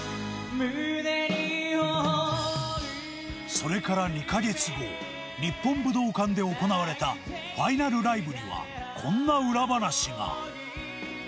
それから２カ月後日本武道館で行われたファイナルライブにはこんな裏話が。